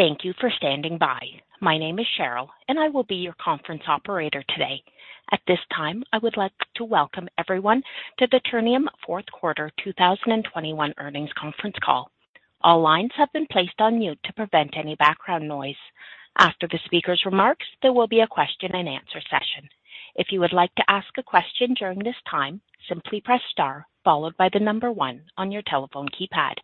Thank you for standing by. My name is Cheryl, and I will be your conference operator today. At this time, I would like to welcome everyone to the Ternium fourth quarter 2021 earnings conference call. All lines have been placed on mute to prevent any background noise. After the speaker's remarks, there will be a question-and-answer session. If you would like to ask a question during this time, simply press star followed by the number one on your telephone keypad.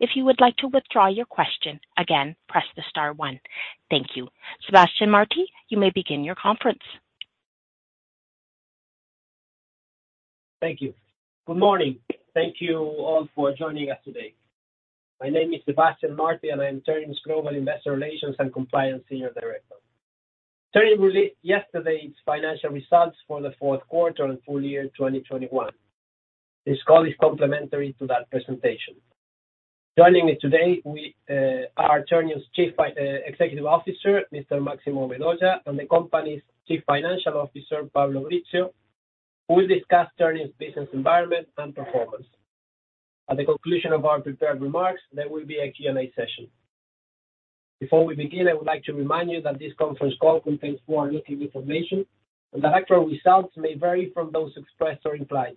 If you would like to withdraw your question, again, press the star one. Thank you. Sebastian Marti, you may begin your conference. Thank you. Good morning. Thank you all for joining us today. My name is Sebastian Marti, and I'm Ternium's Global Investor Relations and Compliance Senior Director. Ternium released yesterday its financial results for the fourth quarter and full year 2021. This call is complementary to that presentation. Joining me today are Ternium's Chief Executive Officer, Mr. Máximo Vedoya, and the company's Chief Financial Officer, Pablo Brizzio, who will discuss Ternium's business environment and performance. At the conclusion of our prepared remarks, there will be a Q&A session. Before we begin, I would like to remind you that this conference call contains forward-looking information, and the actual results may vary from those expressed or implied.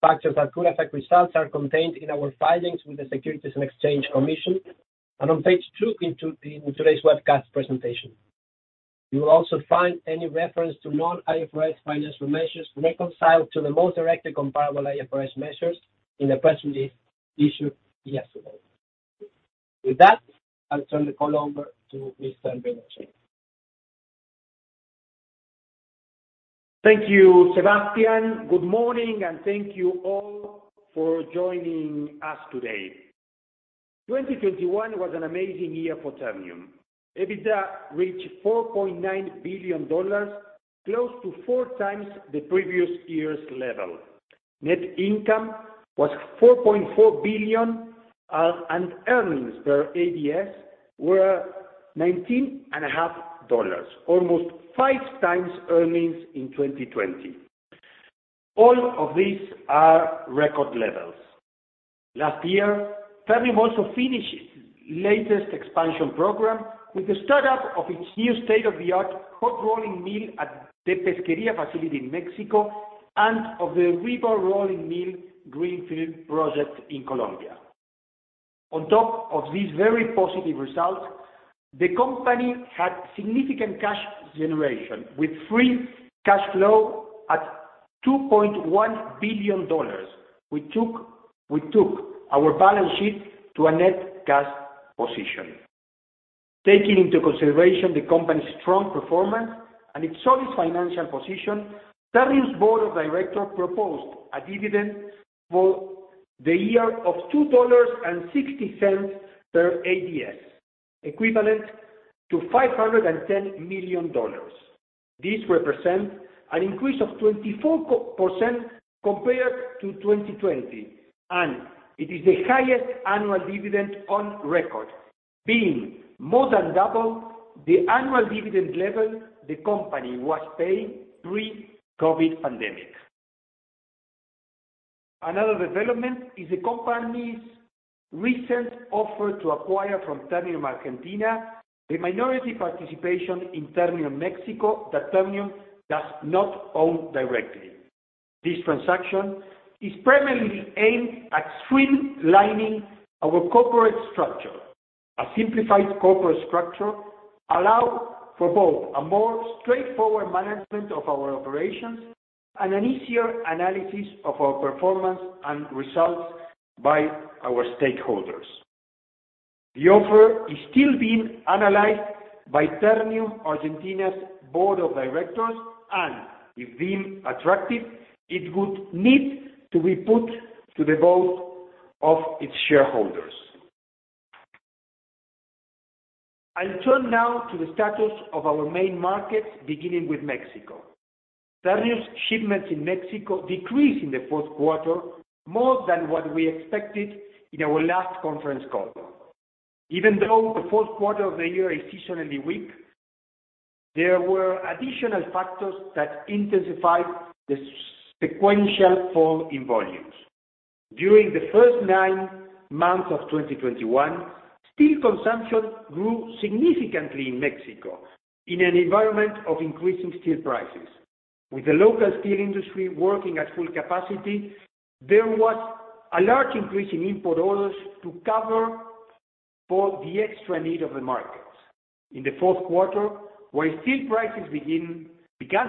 Factors that could affect results are contained in our filings with the Securities and Exchange Commission and on page two in today's webcast presentation. You will also find any reference to non-IFRS financial measures reconciled to the most directly comparable IFRS measures in the press release issued yesterday. With that, I'll turn the call over to Mr. Vedoya. Thank you, Sebastian. Good morning, and thank you all for joining us today. 2021 was an amazing year for Ternium. EBITDA reached $4.9 billion, close to four times the previous year's level. Net income was $4.4 billion, and earnings per ADS were $19.5, almost five times earnings in 2020. All of these are record levels. Last year, Ternium also finished latest expansion program with the start up of its new state-of-the-art hot rolling mill at the Pesquería facility in Mexico and of the Palmar de Varela greenfield project in Colombia. On top of these very positive results, the company had significant cash generation with free cash flow at $2.1 billion. We took our balance sheet to a net cash position. Taking into consideration the company's strong performance and its solid financial position, Ternium's board of directors proposed a dividend for the year of $2.60 per ADS, equivalent to $510 million. This represent an increase of 24% compared to 2020, and it is the highest annual dividend on record, being more than double the annual dividend level the company was paying pre-COVID pandemic. Another development is the company's recent offer to acquire from Ternium Argentina a minority participation in Ternium Mexico that Ternium does not own directly. This transaction is primarily aimed at streamlining our corporate structure. A simplified corporate structure allow for both a more straightforward management of our operations and an easier analysis of our performance and results by our stakeholders. The offer is still being analyzed by Ternium Argentina's board of directors, and if deemed attractive, it would need to be put to the vote of its shareholders. I'll turn now to the status of our main markets, beginning with Mexico. Ternium's shipments in Mexico decreased in the fourth quarter more than what we expected in our last conference call. Even though the fourth quarter of the year is seasonally weak, there were additional factors that intensified the sequential fall in volumes. During the first nine months of 2021, steel consumption grew significantly in Mexico in an environment of increasing steel prices. With the local steel industry working at full capacity, there was a large increase in import orders to cover for the extra need of the markets. In the fourth quarter, where steel prices began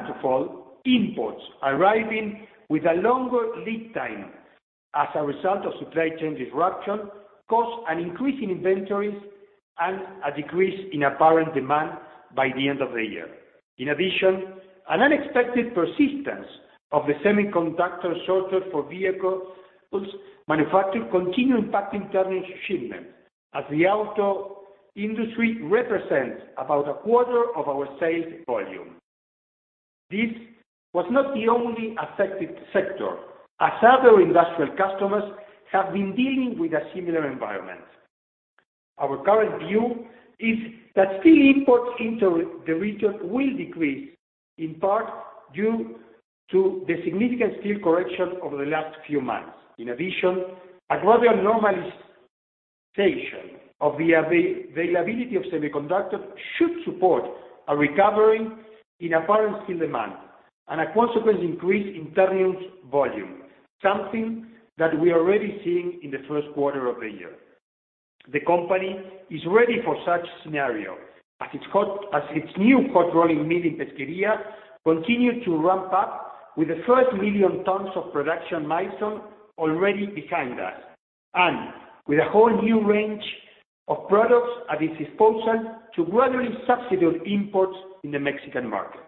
to fall, imports arriving with a longer lead time as a result of supply chain disruption caused an increase in inventories and a decrease in apparent demand by the end of the year. In addition, an unexpected persistence of the semiconductor shortage for vehicle manufacture continued impacting Ternium's shipments as the auto industry represents about a quarter of our sales volume. This was not the only affected sector, as other industrial customers have been dealing with a similar environment. Our current view is that steel imports into the region will decrease, in part due to the significant steel correction over the last few months. In addition, a gradual normalization of the availability of semiconductors should support a recovery in apparent steel demand and a consequent increase in Ternium's volume, something that we are already seeing in the first quarter of the year. The company is ready for such scenario. As its new hot rolling mill in Pesquería continue to ramp up with the first 1 million tons of production milestone already behind us, and with a whole new range of products at its disposal to gradually substitute imports in the Mexican market.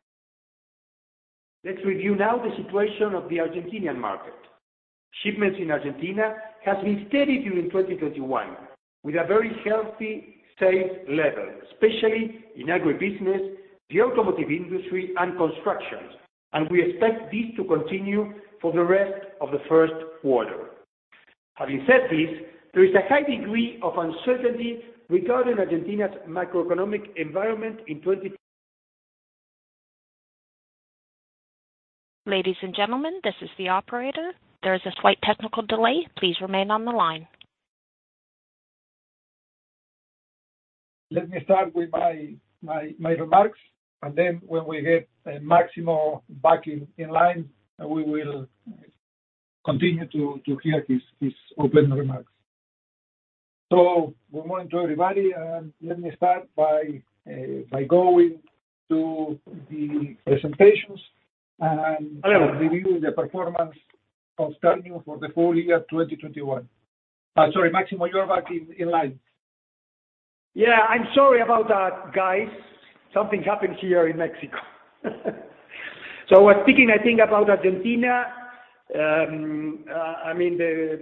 Let's review now the situation of the Argentine market. Shipments in Argentina has been steady during 2021, with a very healthy sales level, especially in agribusiness, the automotive industry, and constructions, and we expect this to continue for the rest of the first quarter. Having said this, there is a high degree of uncertainty regarding Argentina's macroeconomic environment in twenty- Ladies and gentlemen, this is the operator. There is a slight technical delay. Please remain on the line. Let me start with my remarks, and then when we get Máximo back in line, we will continue to hear his opening remarks. Good morning to everybody, and let me start by going to the presentations and review the performance of Ternium for the full year 2021. Sorry, Máximo, you're back in line. Yeah, I'm sorry about that, guys. Something happened here in Mexico. I was speaking, I think, about Argentina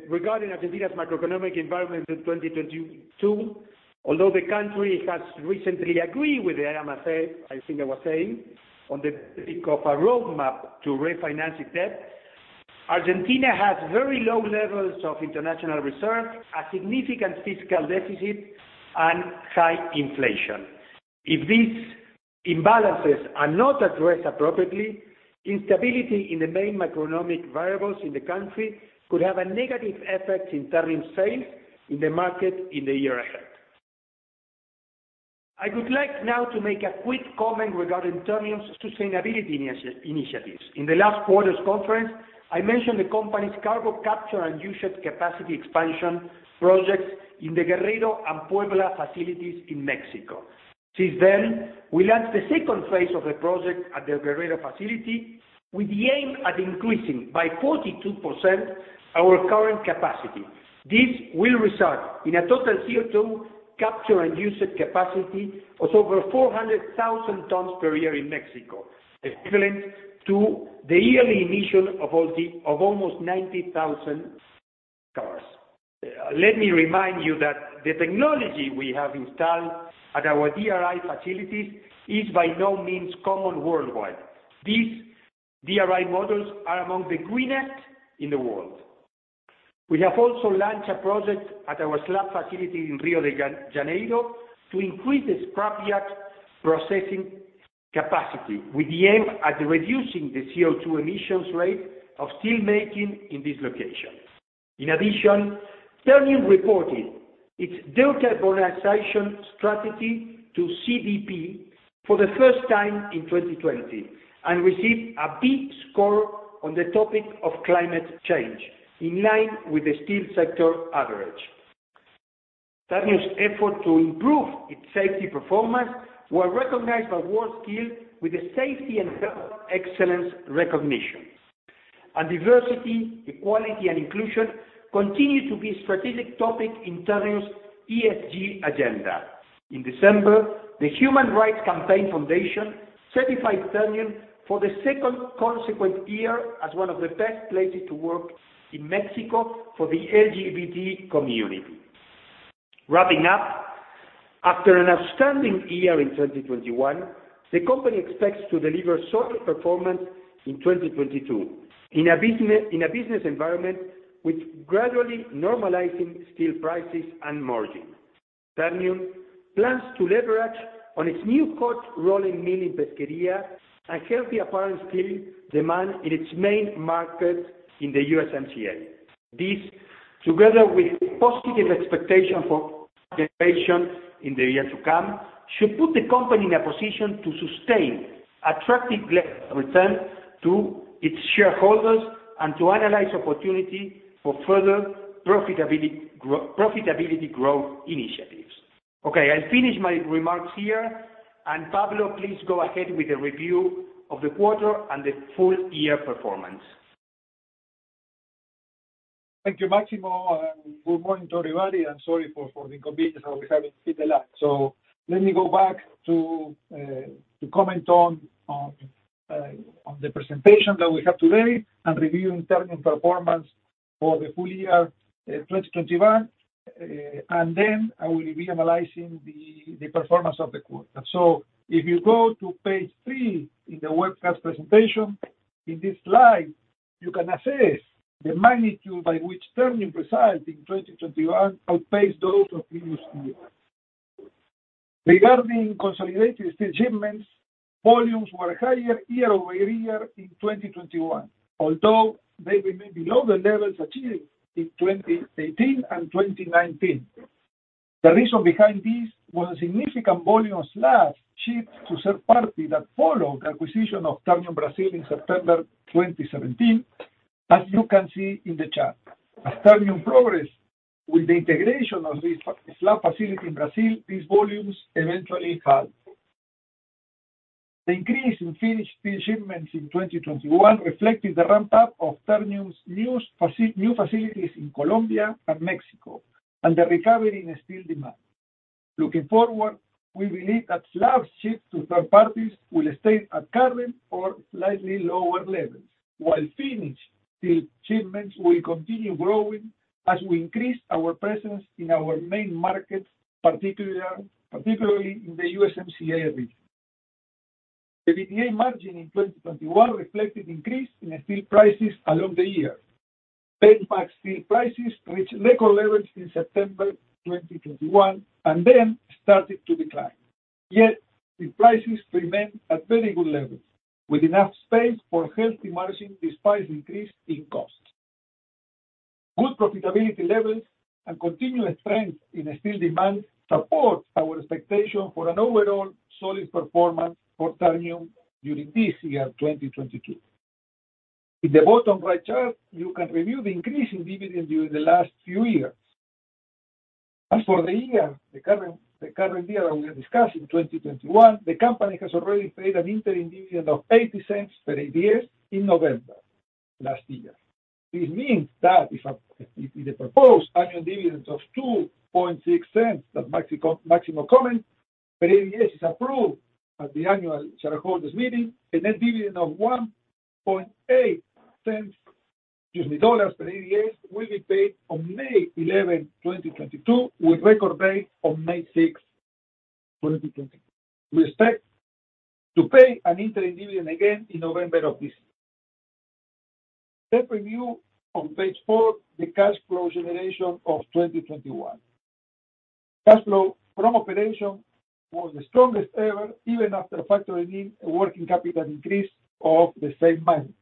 regarding Argentina's macroeconomic environment in 2022. Although the country has recently agreed with the IMF, I think I was saying, on the topic of a roadmap to refinance its debt. Argentina has very low levels of international reserve, a significant fiscal deficit, and high inflation. If these imbalances are not addressed appropriately, instability in the main macroeconomic variables in the country could have a negative effect in Ternium's sales in the market in the year ahead. I would like now to make a quick comment regarding Ternium's sustainability initiatives. In the last quarter's conference, I mentioned the company's carbon capture and usage capacity expansion projects in the Guerrero and Puebla facilities in Mexico. Since then, we launched the second phase of the project at the Guerrero facility with the aim at increasing by 42% our current capacity. This will result in a total CO2 capture and usage capacity of over 400,000 tons per year in Mexico, equivalent to the yearly emission of almost 90,000 cars. Let me remind you that the technology we have installed at our DRI facilities is by no means common worldwide. These DRI models are among the greenest in the world. We have also launched a project at our slab facility in Rio de Janeiro to increase the scrap yard processing capacity with the aim at reducing the CO2 emissions rate of steelmaking in this location. In addition, Ternium reported its decarbonization strategy to CDP for the first time in 2020 and received a B score on the topic of climate change, in line with the steel sector average. Ternium's effort to improve its safety performance were recognized by World Steel Association with the Safety and Health Excellence recognition. Diversity, equality, and inclusion continue to be a strategic topic in Ternium's ESG agenda. In December, the Human Rights Campaign Foundation certified Ternium for the second consequent year as one of the best places to work in Mexico for the LGBT community. Wrapping up, after an outstanding year in 2021, the company expects to deliver solid performance in 2022 in a business environment with gradually normalizing steel prices and margin. Ternium plans to leverage on its new hot rolling mill in Pesquería, a healthy apparent steel demand in its main market in the USMCA. This, together with positive expectation for generation in the year to come, should put the company in a position to sustain attractive levels of return to its shareholders and to analyze opportunity for further profitability growth initiatives. Okay, I finish my remarks here. Pablo, please go ahead with the review of the quarter and the full year performance. Thank you, Máximo, and good morning to everybody. I'm sorry for the inconvenience of having been delayed. Let me go back to comment on the presentation that we have today and review Ternium performance for the full year 2021. I will be analyzing the performance of the quarter. If you go to page three in the webcast presentation, in this slide. You can assess the magnitude by which Ternium prices in 2021 outpaced those of previous years. Regarding consolidated steel shipments, volumes were higher year-over-year in 2021, although they remained below the levels achieved in 2018 and 2019. The reason behind this was a significant volume of slabs shipped to third parties that followed the acquisition of Ternium Brazil in September 2017, as you can see in the chart. As Ternium progressed with the integration of this slab facility in Brazil, these volumes eventually halved. The increase in finished steel shipments in 2021 reflected the ramp-up of Ternium's new facilities in Colombia and Mexico, and the recovery in steel demand. Looking forward, we believe that slab shipped to third parties will stay at current or slightly lower levels, while finished steel shipments will continue growing as we increase our presence in our main markets, particularly in the USMCA region. The EBITDA margin in 2021 reflected increase in steel prices along the year. Benchmark steel prices reached record levels in September 2021 and then started to decline. Yet the prices remain at very good levels, with enough space for healthy margin despite increase in costs. Good profitability levels and continuous strength in steel demand supports our expectation for an overall solid performance for Ternium during this year, 2022. In the bottom right chart, you can review the increase in dividend during the last few years. As for the current year that we are discussing, 2021, the company has already paid an interim dividend of $0.80 per ADS in November last year. This means that if the proposed annual dividend of $2.6 that Máximo commented per ADS is approved at the annual shareholders meeting, a net dividend of $1.8, excuse me, dollars per ADS will be paid on May 11, 2022, with record date on May 6, 2022. We expect to pay an interim dividend again in November of this year. Let's review on page four the cash flow generation of 2021. Cash flow from operations was the strongest ever, even after factoring in a working capital increase of the same magnitude.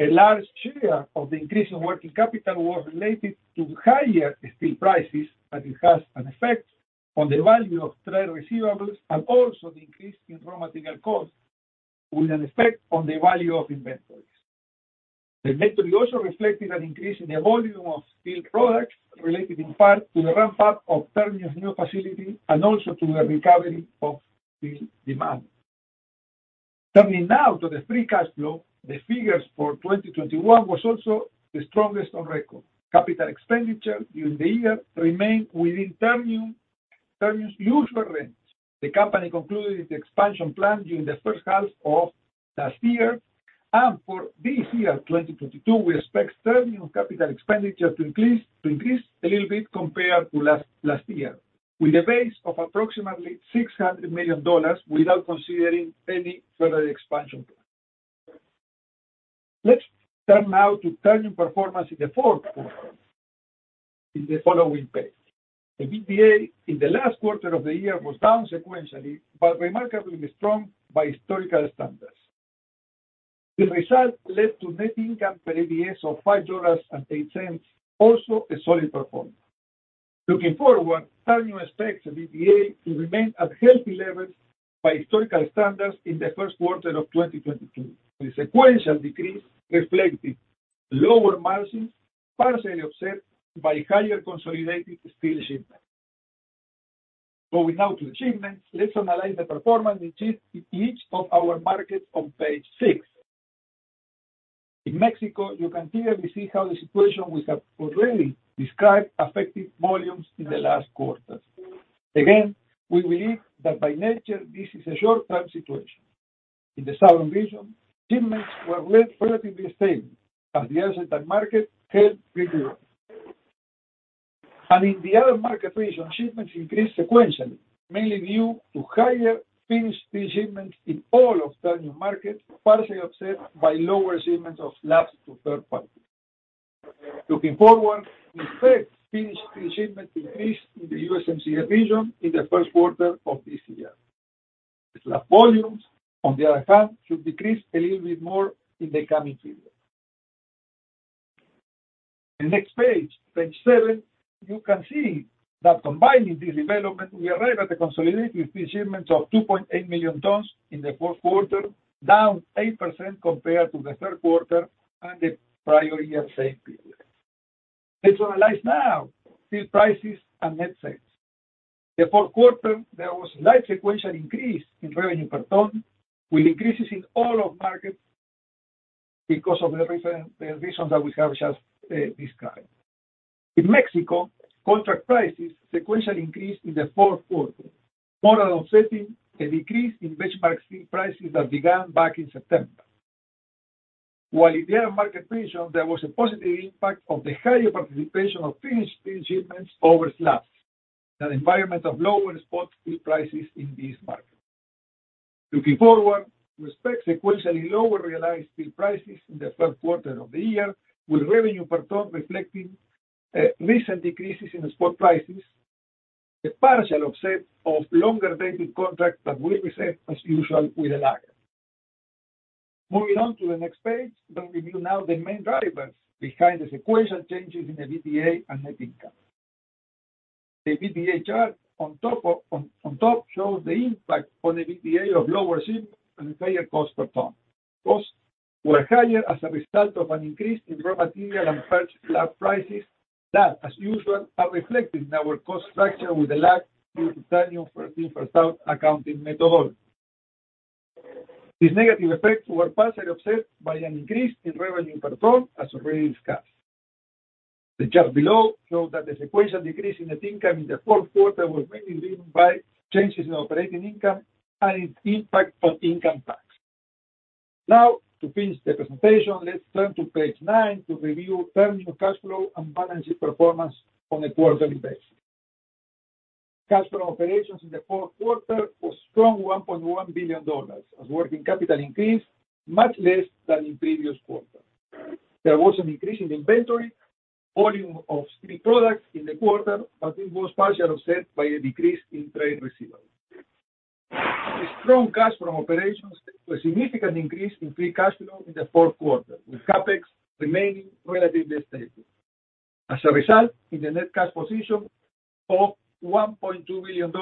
A large share of the increase in working capital was related to higher steel prices, as it has an effect on the value of trade receivables, and also the increase in raw material costs, with an effect on the value of inventories. The inventory also reflected an increase in the volume of steel products, related in part to the ramp-up of Ternium's new facility, and also to the recovery of steel demand. Turning now to the free cash flow, the figures for 2021 was also the strongest on record. Capital expenditure during the year remained within Ternium's usual range. The company concluded its expansion plan during the first half of last year. For this year, 2022, we expect Ternium capital expenditure to increase a little bit compared to last year, with a base of approximately $600 million without considering any further expansion plans. Let's turn now to Ternium performance in the fourth quarter in the following page. The EBITDA in the last quarter of the year was down sequentially, but remarkably strong by historical standards. This result led to net income per ADS of $5.08, also a solid performance. Looking forward, Ternium expects EBITDA to remain at healthy levels by historical standards in the first quarter of 2022, with sequential decrease reflecting lower margins, partially offset by higher consolidated steel shipments. Going now to shipments, let's analyze the performance in each of our markets on page six. In Mexico, you can clearly see how the situation we have already described affected volumes in the last quarters. Again, we believe that by nature this is a short-term situation. In the southern region, shipments were relatively the same, as the Brazilian market held pretty well. In the other market regions, shipments increased sequentially, mainly due to higher finished steel shipments in all of Ternium markets, partially offset by lower shipments of slabs to third parties. Looking forward, we expect finished steel shipments increase in the USMCA region in the first quarter of this year. The slab volumes, on the other hand, should decrease a little bit more in the coming period. The next page seven, you can see that combining this development, we arrive at the consolidated steel shipments of 2.8 million tons in the fourth quarter, down 8% compared to the third quarter and the prior year same period. Let's analyze now steel prices and net sales. The fourth quarter, there was slight sequential increase in revenue per ton, with increases in all our markets because of the reason, the reasons that we have just described. In Mexico, contract prices sequentially increased in the fourth quarter, more than offsetting a decrease in benchmark steel prices that began back in September. While in the other market regions, there was a positive impact of the higher participation of finished steel shipments over slabs, in an environment of lower spot steel prices in these markets. Looking forward, we expect sequentially lower realized steel prices in the first quarter of the year, with revenue per ton reflecting recent decreases in the spot prices, a partial offset of longer-dated contracts that will be set as usual with a lag. Moving on to the next page. We'll review now the main drivers behind the sequential changes in the EBITDA and net income. The EBITDA chart on top shows the impact on the EBITDA of lower shipments and higher cost per ton. Costs were higher as a result of an increase in raw material and purchased slab prices that, as usual, are reflected in our cost structure with a lag due to our FIFO accounting method. These negative effects were partially offset by an increase in revenue per ton, as already discussed. The chart below shows that the sequential decrease in net income in the fourth quarter was mainly driven by changes in operating income and its impact on income tax. Now, to finish the presentation, let's turn to page nine to review Ternium cash flow and balance sheet performance on a quarterly basis. Cash from operations in the fourth quarter was strong $1.1 billion, as working capital increased much less than in previous quarters. There was an increase in inventory volume of steel products in the quarter, but it was partially offset by a decrease in trade receivables. The strong cash from operations was a significant increase in free cash flow in the fourth quarter, with CapEx remaining relatively stable. As a result, the net cash position was $1.2 billion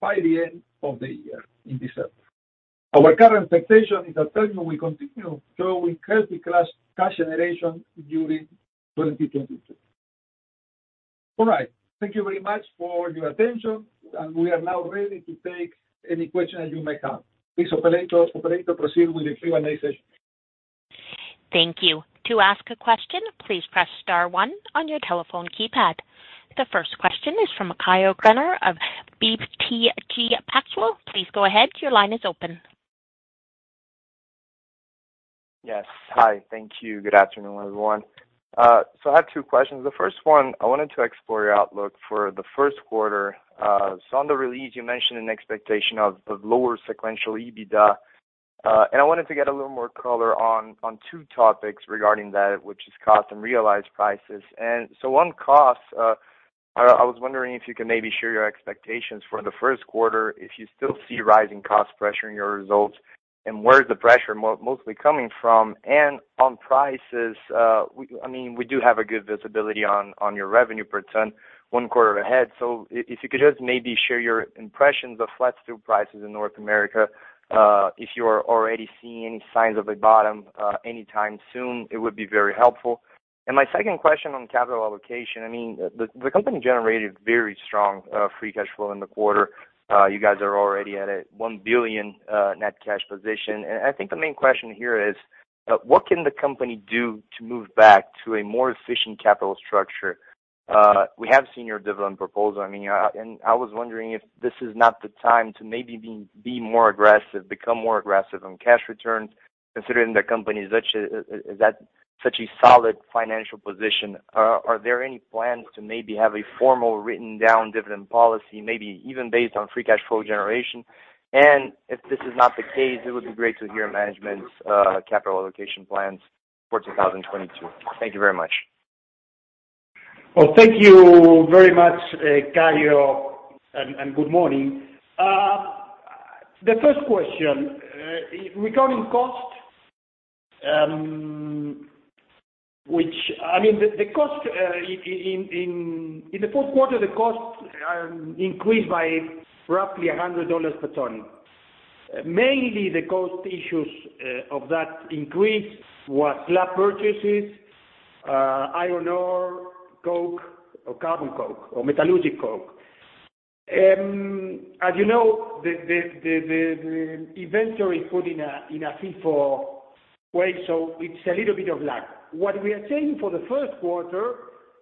by the end of the year in December. Our current expectation is that Ternium will continue showing healthy cash generation during 2022. All right. Thank you very much for your attention, and we are now ready to take any questions you may have. Please operator proceed with the Q&A session. The first question is from Caio Greiner of BTG Pactual. Please go ahead. Your line is open. Yes. Hi. Thank you. Good afternoon, everyone. I have two questions. The first one, I wanted to explore your outlook for the first quarter. On the release, you mentioned an expectation of lower sequential EBITDA. I wanted to get a little more color on two topics regarding that, which is cost and realized prices. On cost, I was wondering if you could maybe share your expectations for the first quarter if you still see rising cost pressuring your results, and where is the pressure mostly coming from? On prices, I mean, we do have a good visibility on your revenue per ton one quarter ahead. If you could just maybe share your impressions of flat steel prices in North America, if you are already seeing any signs of a bottom anytime soon, it would be very helpful. My second question on capital allocation. I mean, the company generated very strong free cash flow in the quarter. You guys are already at a $1 billion net cash position. I think the main question here is, what can the company do to move back to a more efficient capital structure? We have seen your dividend proposal. I mean, and I was wondering if this is not the time to maybe be more aggressive, become more aggressive on cash returns, considering the company is such a solid financial position. Are there any plans to maybe have a formal written down dividend policy, maybe even based on free cash flow generation? If this is not the case, it would be great to hear management's capital allocation plans for 2022. Thank you very much. Well, thank you very much, Caio, and good morning. The first question. Regarding cost in the fourth quarter, the cost increased by roughly $100 per ton. Mainly, the causes of that increase were slab purchases of iron ore, metallurgical coke. As you know, the inventory is put in a FIFO way, so it's a little bit of lag. What we are saying for the first quarter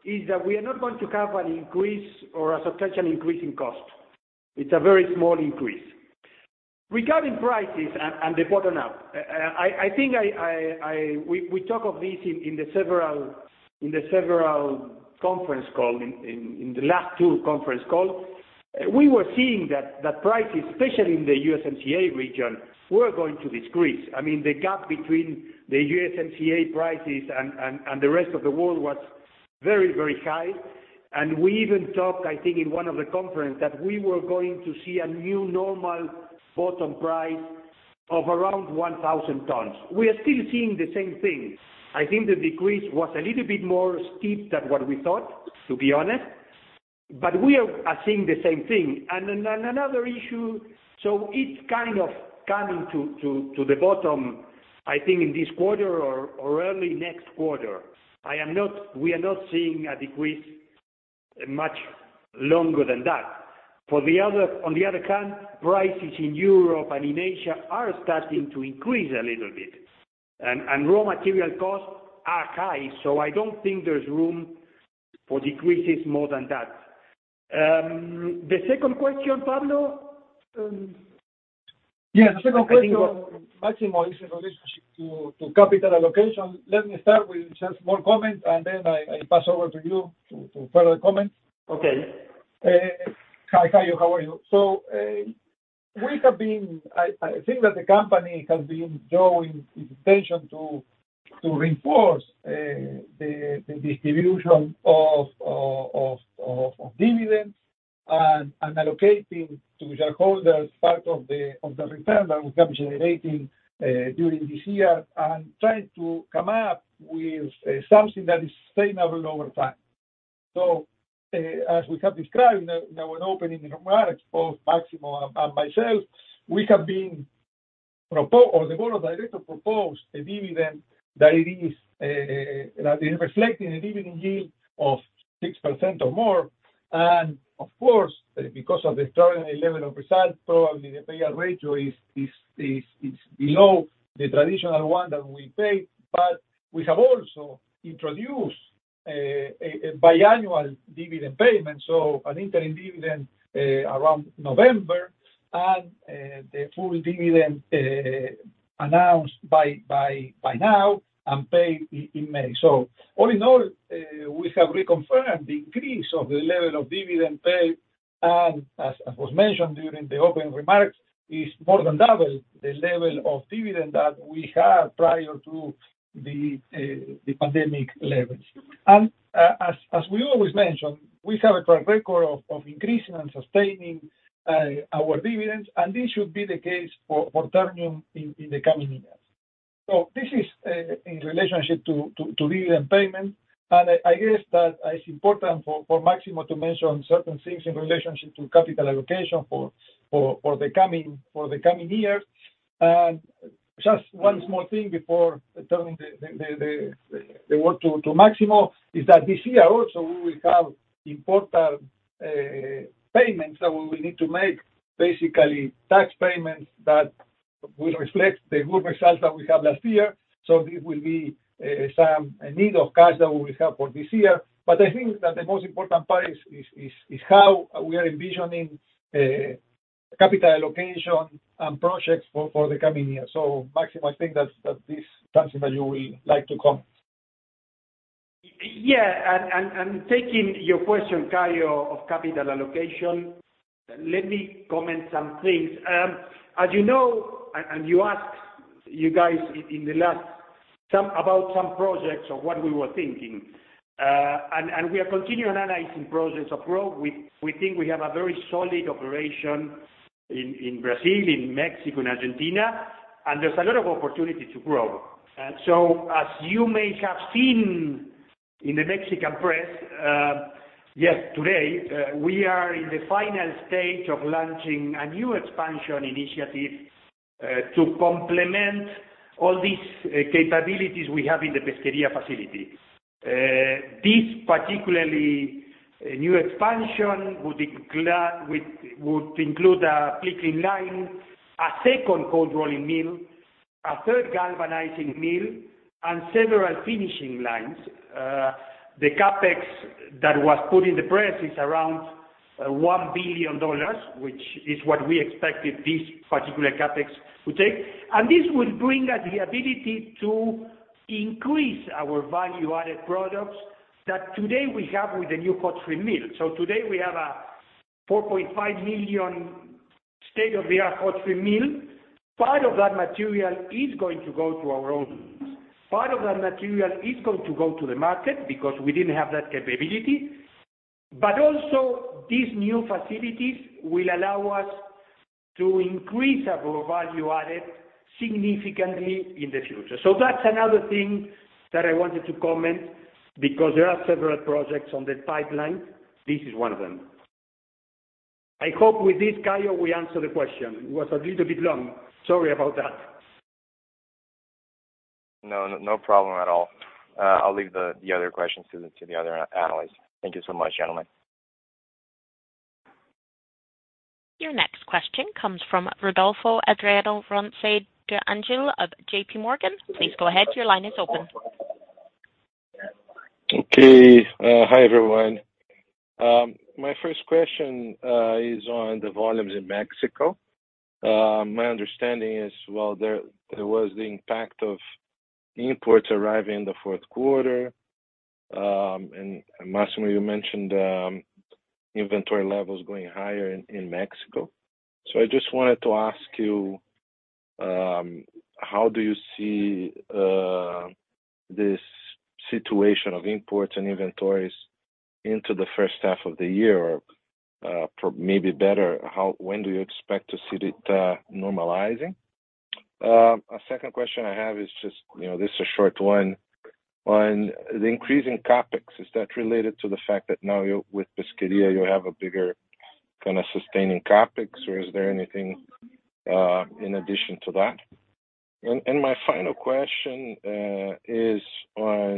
is that we are not going to have an increase or a substantial increase in cost. It's a very small increase. Regarding prices and the bottom out, I. We talk of this in the last two conference calls. We were seeing that prices, especially in the USMCA region, were going to decrease. I mean, the gap between the USMCA prices and the rest of the world was very high. We even talked, I think, in one of the conferences, that we were going to see a new normal bottom price of around $1,000/ton. We are still seeing the same thing. I think the decrease was a little bit more steep than what we thought, to be honest. We are seeing the same thing. Another issue, so it's kind of coming to the bottom, I think in this quarter or early next quarter. We are not seeing a decrease much longer than that. On the other hand, prices in Europe and in Asia are starting to increase a little bit. Raw material costs are high, so I don't think there's room for decreases more than that. The second question, Pablo? Yeah, the second question was- Máximo is in relation to capital allocation. Let me start with just more comments, and then I pass over to you to further comment. Okay. Hi, Caio. How are you? I think that the company has been showing its intention to reinforce the distribution of dividends and allocating to shareholders part of the return that we have been generating during this year and trying to come up with something that is sustainable over time. As we have described in our opening remarks, both Máximo and myself or the board of directors proposed a dividend that is reflecting a dividend yield of 6% or more. Of course, because of the extraordinary level of results, probably the payout ratio is below the traditional one that we pay. We have also introduced a biannual dividend payment, so an interim dividend around November and the full dividend announced by now and paid in May. All in all, we have reconfirmed the increase of the level of dividend paid, and as was mentioned during the opening remarks, is more than double the level of dividend that we had prior to the pandemic levels. As we always mention, we have a track record of increasing and sustaining our dividends, and this should be the case for Ternium in the coming years. This is in relationship to dividend payment. I guess that it's important for Máximo to mention certain things in relationship to capital allocation for the coming years. Just one small thing before turning the work to Máximo is that this year also we will have important payments that we will need to make, basically tax payments that will reflect the good results that we had last year. This will be some need of cash that we will have for this year. I think that the most important part is how we are envisioning capital allocation and projects for the coming year. Máximo, I think that this is something that you will like to comment. Yeah. Taking your question, Caio, of capital allocation, let me comment some things. As you know, you asked, you guys, in the last about some projects or what we were thinking, we are continuing analyzing projects of growth. We think we have a very solid operation in Brazil, in Mexico, in Argentina, and there's a lot of opportunity to grow. As you may have seen in the Mexican press, just today, we are in the final stage of launching a new expansion initiative to complement all these capabilities we have in the Pesquería facility. This particularly new expansion would include a pickling line, a second cold rolling mill, a third galvanizing mill, and several finishing lines. The CapEx that was put in the press is around $1 billion, which is what we expected this particular CapEx would take. This will bring us the ability to increase our value-added products that today we have with the new hot rolling mill. Today we have a 4.5 million state-of-the-art hot rolling mill. Part of that material is going to go to our own use. Part of that material is going to go to the market because we didn't have that capability. Also, these new facilities will allow us to increase our value-added significantly in the future. That's another thing that I wanted to comment because there are several projects in the pipeline. This is one of them. I hope with this, Caio, we answered the question. It was a little bit long. Sorry about that. No problem at all. I'll leave the other questions to the other analysts. Thank you so much, gentlemen. Your next question comes from Rodolfo De Angele of JPMorgan. Please go ahead. Your line is open. Okay. Hi, everyone. My first question is on the volumes in Mexico. My understanding is while there was the impact of imports arriving in the fourth quarter, and Máximo, you mentioned inventory levels going higher in Mexico. I just wanted to ask you, how do you see this situation of imports and inventories into the first half of the year? Maybe better, when do you expect to see it normalizing? A second question I have is just, you know, this is a short one. On the increase in CapEx, is that related to the fact that now with Pesquería you have a bigger kinda sustaining CapEx, or is there anything in addition to that? My final question is on,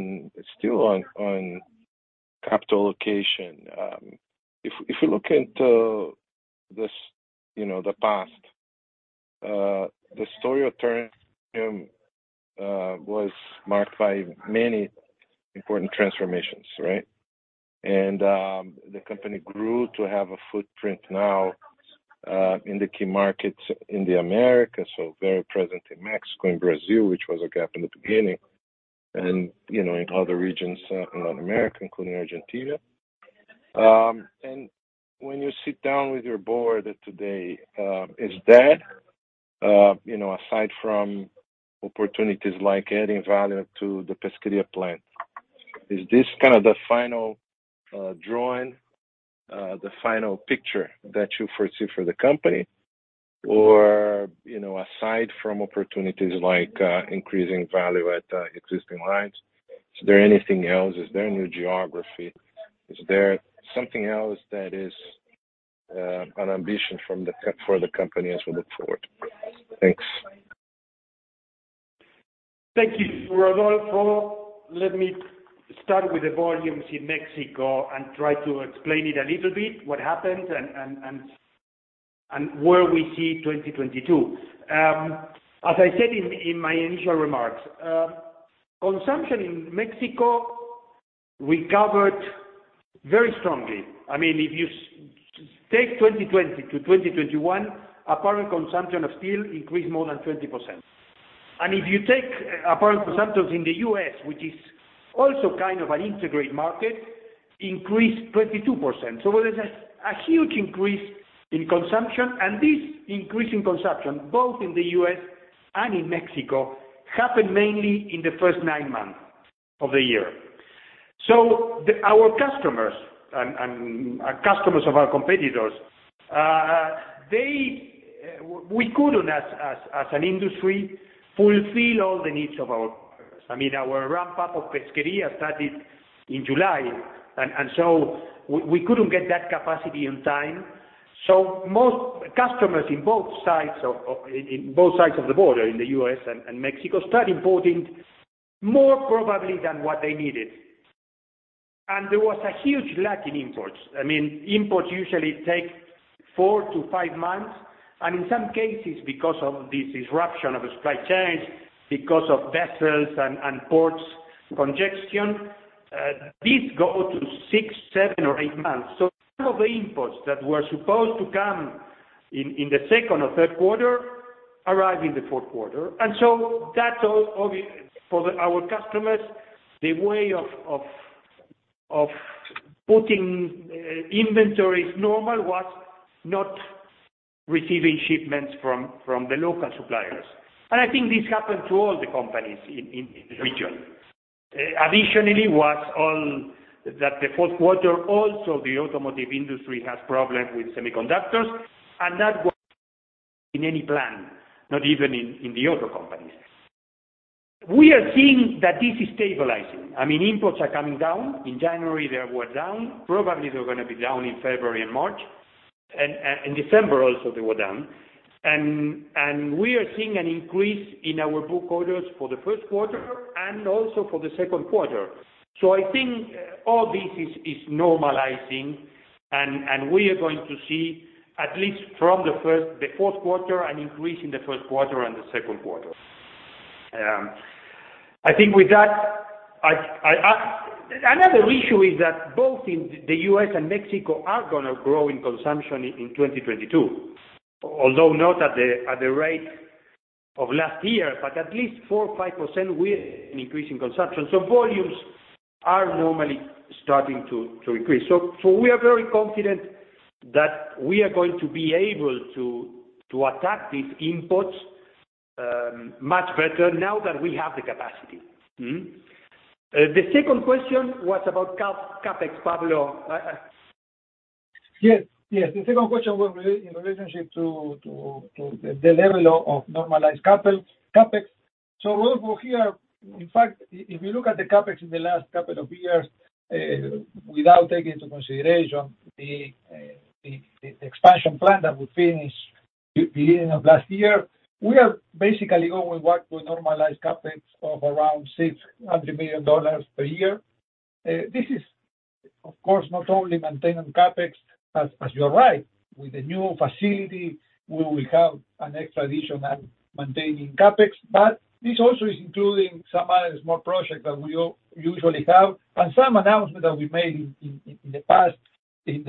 still on capital allocation. If you look into the past, you know, the story of Ternium was marked by many important transformations, right? The company grew to have a footprint now in the key markets in the Americas, so very present in Mexico and Brazil, which was a gap in the beginning, and you know, in other regions in Latin America, including Argentina. When you sit down with your board today, is that, you know, aside from opportunities like adding value to the Pesquería plant, is this kind of the final picture that you foresee for the company? Or, you know, aside from opportunities like increasing value at existing lines, is there anything else? Is there a new geography? Is there something else that is an ambition for the company as we look forward? Thanks. Thank you, Rodolfo. Let me start with the volumes in Mexico and try to explain it a little bit, what happened and where we see 2022. As I said in my initial remarks, consumption in Mexico recovered very strongly. I mean, if you take 2020-2021, apparent consumption of steel increased more than 20%. If you take apparent consumption in the U.S., which is also kind of an integrated market, increased 22%. There is a huge increase in consumption. This increase in consumption, both in the U.S. and in Mexico, happened mainly in the first nine months of the year. Our customers and customers of our competitors, they. We couldn't as an industry fulfill all the needs of our customers. I mean, our ramp up of Pesquería started in July. We couldn't get that capacity on time. Most customers on both sides of the border, in the U.S. and Mexico, started importing more probably than what they needed. There was a huge lack in imports. I mean, imports usually take four to five months, and in some cases, because of this disruption of supply chains, because of vessels and ports congestion, this got to six, seven or eight months. Some of the imports that were supposed to come in the second or third quarter arrived in the fourth quarter. That's obviously for our customers, the way of putting inventories normal was not receiving shipments from the local suppliers. I think this happened to all the companies in the region. Additionally, with all that, the fourth quarter also the automotive industry has problems with semiconductors and that wasn't in any plan, not even in the auto companies. We are seeing that this is stabilizing. I mean, imports are coming down. In January, they were down. Probably they're gonna be down in February and March. In December also they were down. We are seeing an increase in our order book for the first quarter and also for the second quarter. I think all this is normalizing and we are going to see at least from the fourth quarter an increase in the first quarter and the second quarter. I think with that. Another issue is that both in the U.S. and Mexico are gonna grow in consumption in 2022, although not at the rate of last year, but at least 4% or 5% increase in consumption. Volumes are normally starting to increase. We are very confident that we are going to be able to attack these imports much better now that we have the capacity. The second question was about CapEx, Pablo. Yes. The second question was in relationship to the level of normalized CapEx. Rodolfo here, in fact, if you look at the CapEx in the last couple of years, without taking into consideration the expansion plan that we finished beginning of last year, we are basically going with what we normalize CapEx of around $600 million per year. This is of course not only maintaining CapEx. As you're right, with the new facility, we will have an extra additional maintaining CapEx. This also is including some other small projects that we usually have and some announcement that we made in the past in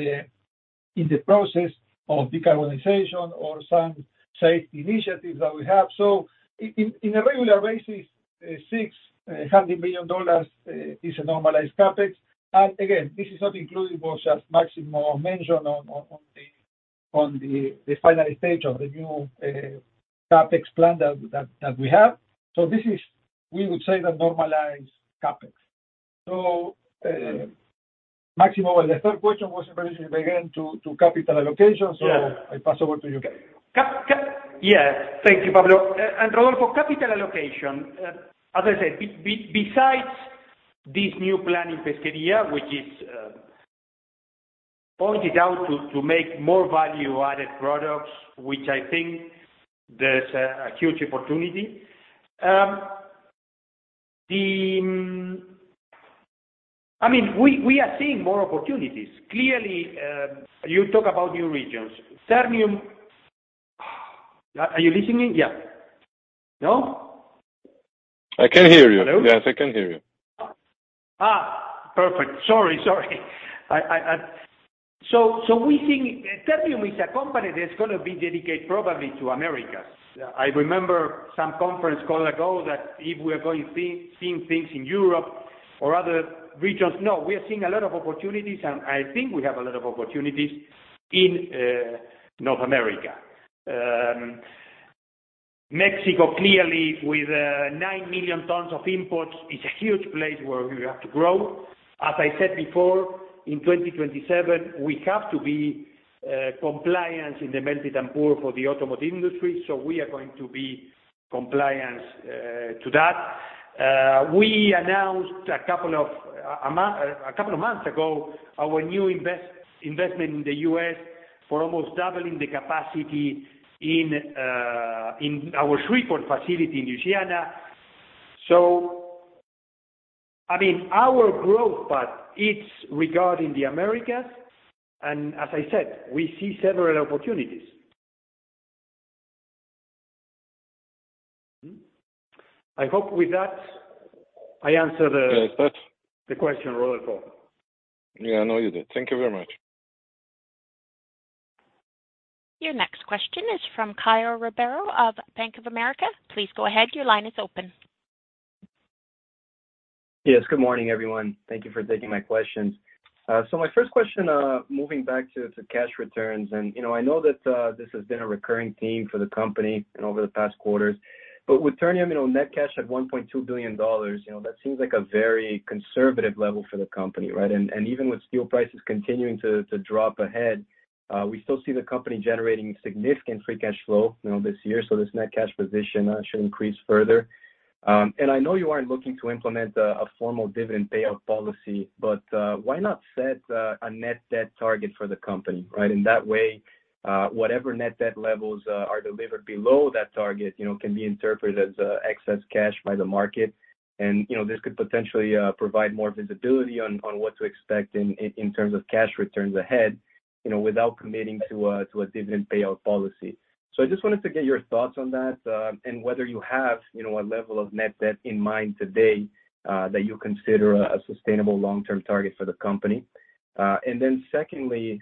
the process of decarbonization or some safe initiatives that we have. In a regular basis, $600 million is a normalized CapEx. This is not including what, as Máximo mentioned on the final stage of the new CapEx plan that we have. This is, we would say, the normalized CapEx. Máximo, the third question was in relation again to capital allocation. Yes. I pass over to you. Yes. Thank you, Pablo. Rodolfo, capital allocation, as I said, besides this new plan in Pesquería, which is pointed out to make more value-added products, which I think there's a huge opportunity. I mean, we are seeing more opportunities. Clearly, you talk about new regions. Ternium Are you listening to me? Yeah. No? I can hear you. Hello? Yes, I can hear you. Perfect. Sorry. We think Ternium is a company that's gonna be dedicated probably to Americas. I remember some conference call ago that if we are going to see things in Europe or other regions. No, we are seeing a lot of opportunities, and I think we have a lot of opportunities in North America. Mexico, clearly with 9 million tons of imports is a huge place where we have to grow. As I said before, in 2027, we have to be compliant in the melted and poured for the automotive industry, so we are going to be compliant to that. We announced a couple of months ago our new investment in the U.S. for almost doubling the capacity in our Shreveport facility in Louisiana. I mean, our growth path, it's regarding the Americas, and as I said, we see several opportunities. I hope with that I answer the question, Rodolfo. Yeah, no, you did. Thank you very much. Your next question is from Caio Ribeiro of Bank of America. Please go ahead. Your line is open. Yes. Good morning, everyone. Thank you for taking my questions. So my first question, moving back to cash returns, and, you know, I know that this has been a recurring theme for the company and over the past quarters. With Ternium, you know, net cash at $1.2 billion, you know, that seems like a very conservative level for the company, right? Even with steel prices continuing to drop ahead, we still see the company generating significant free cash flow, you know, this year, so this net cash position should increase further. I know you aren't looking to implement a formal dividend payout policy, but why not set a net debt target for the company, right? In that way, whatever net debt levels are delivered below that target, you know, can be interpreted as excess cash by the market. You know, this could potentially provide more visibility on what to expect in terms of cash returns ahead, you know, without committing to a dividend payout policy. I just wanted to get your thoughts on that, and whether you have, you know, a level of net debt in mind today, that you consider a sustainable long-term target for the company. Secondly,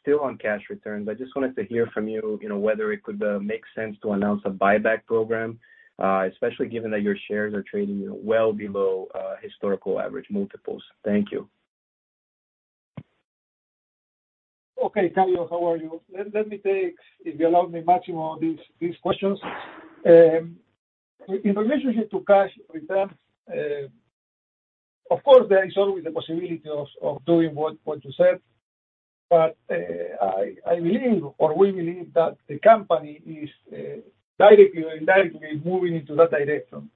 still on cash returns, I just wanted to hear from you know, whether it could make sense to announce a buyback program, especially given that your shares are trading well below historical average multiples. Thank you. Okay, Caio, how are you? Let me take, if you allow me, Máximo, these questions. In relationship to cash return, of course, there is always the possibility of doing what you said. I believe, or we believe, that the company is directly or indirectly moving into that direction.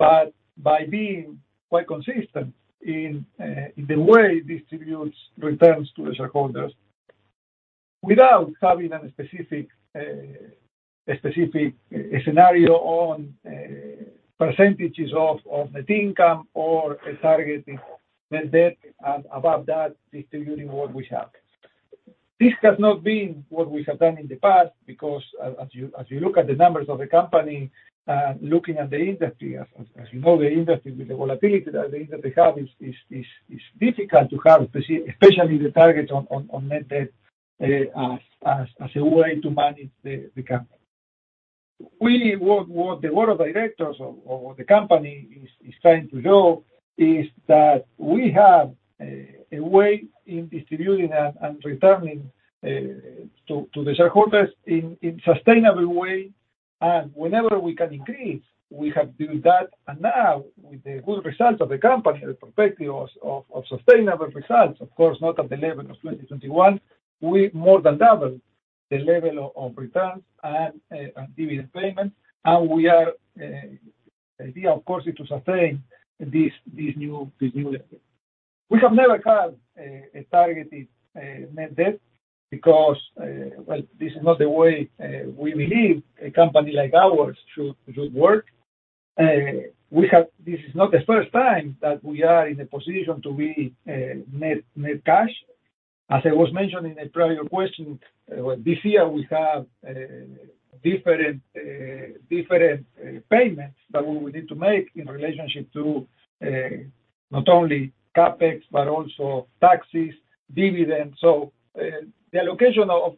By being quite consistent in the way it distributes returns to the shareholders without having a specific scenario on percentages of net income or targeting net debt and above that, distributing what we have. This has not been what we have done in the past because as you look at the numbers of the company, looking at the industry, as you know, the industry with the volatility that the industry have is difficult to have, especially the target on net debt as a way to manage the company. Really what the board of directors of the company is trying to do is that we have a way in distributing and returning to the shareholders in sustainable way. Whenever we can increase, we have do that. Now, with the good results of the company, the perspective of sustainable results, of course, not at the level of 2021, we more than double the level of returns and dividend payment. The idea, of course, is to sustain this new level. We have never had a targeted net debt because, well, this is not the way we believe a company like ours should work. This is not the first time that we are in a position to be net cash. As I was mentioning in a prior question, this year we have different payments that we will need to make in relationship to not only CapEx but also taxes, dividends. The allocation of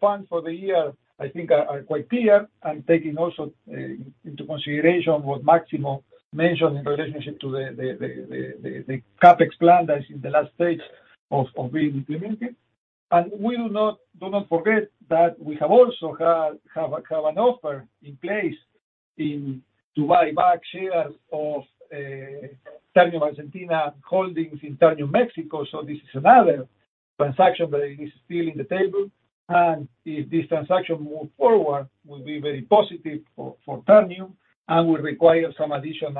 funds for the year, I think, are quite clear, and taking also into consideration what Máximo mentioned in relationship to the CapEx plan that is in the last stage of being implemented. We do not forget that we have an offer in place to buy back shares of Ternium Argentina holdings in Ternium Mexico. This is another transaction that is still in the table, and if this transaction move forward, will be very positive for Ternium and will require some additional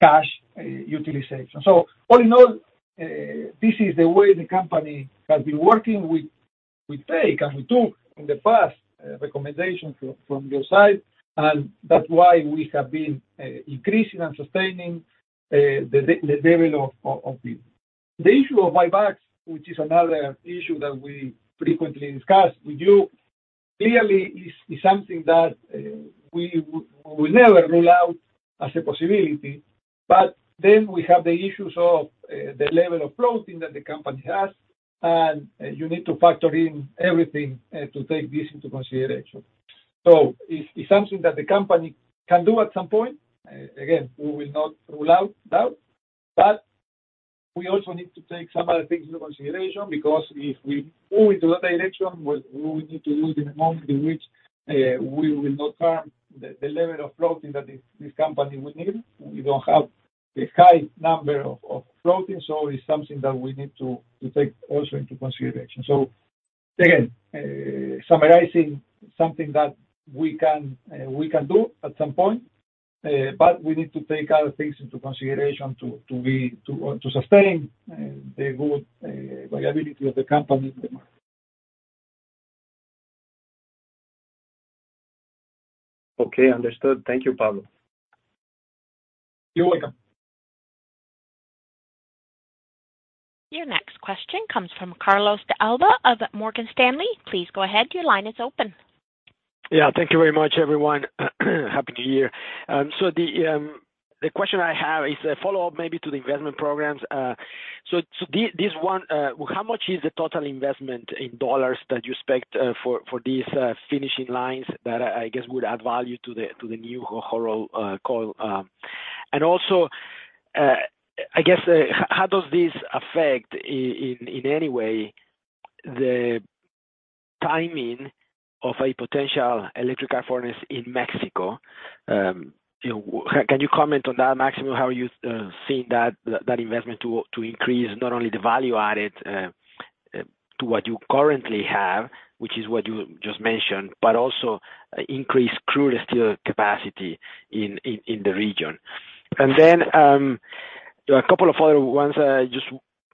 cash utilization. All in all, this is the way the company has been working. We take and we took in the past recommendations from your side, and that's why we have been increasing and sustaining the level of this. The issue of buybacks, which is another issue that we frequently discuss with you, clearly is something that we never rule out as a possibility. We have the issues of the level of floating that the company has, and you need to factor in everything to take this into consideration. It's something that the company can do at some point. Again, we will not rule out doubt. We also need to take some other things into consideration, because if we go into that direction, we will need to lose the amount in which we will not harm the level of floating that this company would need. We don't have the high number of floating, so it's something that we need to take also into consideration. Again, summarizing something that we can do at some point, but we need to take other things into consideration to sustain the good viability of the company. Okay, understood. Thank you, Pablo. You're welcome. Your next question comes from Carlos De Alba of Morgan Stanley. Please go ahead. Your line is open. Yeah. Thank you very much, everyone. Happy New Year. The question I have is a follow-up maybe to the investment programs. This one, how much is the total investment in dollars that you expect for these finishing lines that I guess would add value to the new hot-rolled coil. And also, I guess, how does this affect in any way the timing of a potential electric arc furnace in Mexico. You know, can you comment on that, Máximo. How are you seeing that investment to increase not only the value added to what you currently have, which is what you just mentioned, but also increase crude steel capacity in the region. And then, a couple of other ones. Just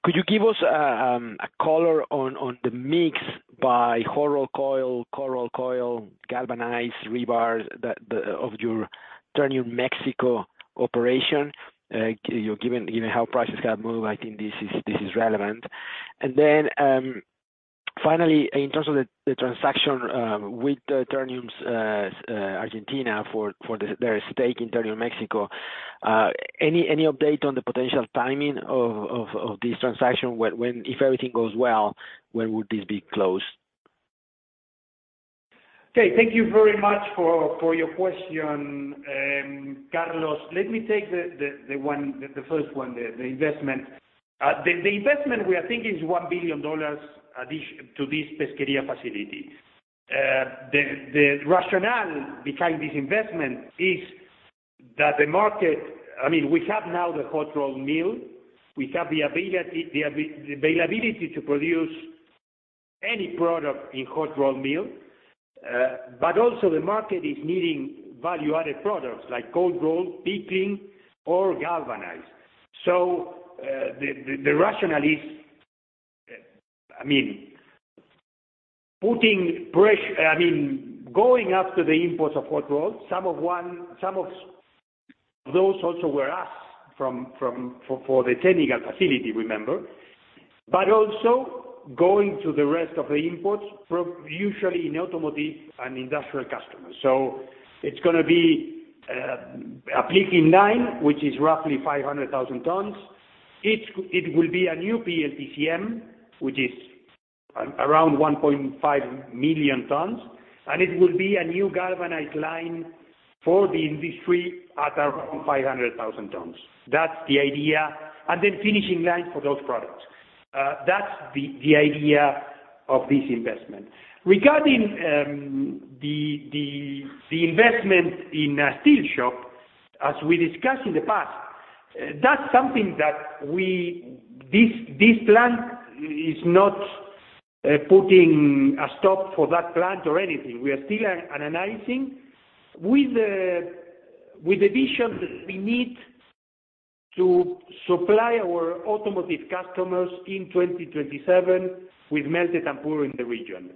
could you give us a color on the mix by hot rolled coil, cold rolled coil, galvanized rebars of your Ternium Mexico operation? You know, given you know, how prices have moved, I think this is relevant. Finally, in terms of the transaction with Ternium Argentina for their stake in Ternium Mexico, any update on the potential timing of this transaction? When, if everything goes well, when would this be closed? Okay, thank you very much for your question, Carlos. Let me take the first one, the investment. The investment we are thinking is $1 billion addition to this Pesquería facility. The rationale behind this investment is that the market. I mean, we have now the hot rolling mill. We have the availability to produce any product in hot rolling mill. But also the market is needing value-added products like cold rolled, pickling or galvanized. The rationale is, I mean, going after the imports of hot rolled, some of them, some of those also were from us from the technical facility, remember. But also going to the rest of the imports from usually in automotive and industrial customers. It's gonna be a pickling line, which is roughly 500,000 tons. It will be a new PPGCM, which is around 1.5 million tons. It will be a new galvanized line for the industry at around 500,000 tons. That's the idea. Then finishing lines for those products. That's the idea of this investment. Regarding the investment in a steel shop, as we discussed in the past, that's something that we. This plant is not putting a stop for that plant or anything. We are still analyzing with the vision that we need to supply our automotive customers in 2027 with melted and poured in the region.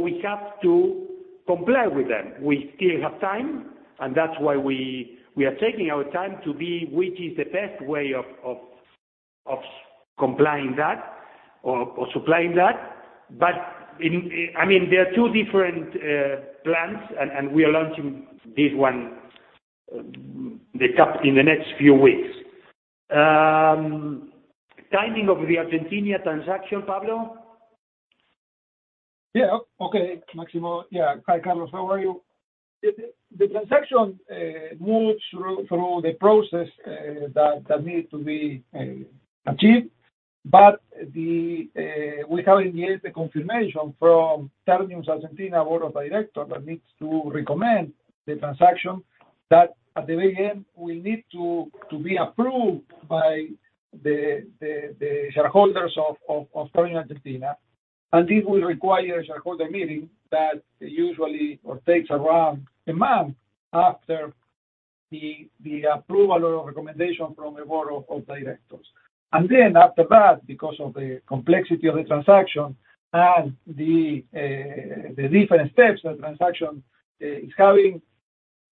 We have to comply with them. We still have time, and that's why we are taking our time to see which is the best way of complying that or supplying that. I mean, there are two different plants and we are launching this one, the CapEx in the next few weeks. Timing of the Argentina transaction, Pablo? Yeah. Okay, Máximo. Yeah. Hi, Carlos. How are you? The transaction moves through the process that needs to be achieved. We haven't yet the confirmation from Ternium Argentina board of directors that needs to recommend the transaction that at the very end will need to be approved by the shareholders of Ternium Argentina. This will require a shareholder meeting that usually takes around a month after the approval or recommendation from the board of directors. Then after that, because of the complexity of the transaction and the different steps the transaction has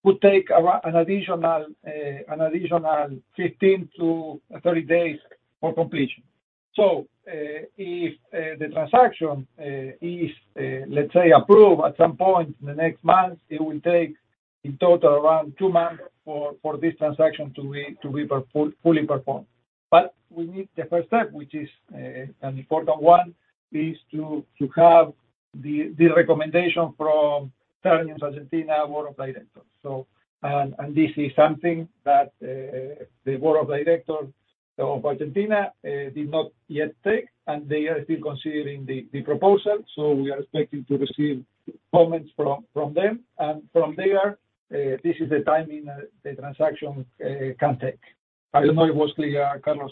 would take around an additional 15-30 days for completion. If the transaction is let's say approved at some point in the next month, it will take in total around two months for this transaction to be fully performed. But we need the first step, which is an important one, to have the recommendation from Ternium Argentina's board of directors. This is something that the board of directors of Ternium Argentina did not yet take, and they are still considering the proposal. We are expecting to receive comments from them. From there, this is the timing that the transaction can take. I don't know if it was clear, Carlos.